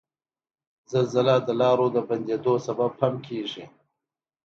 زلزله د لارو د بندیدو سبب هم کیږي.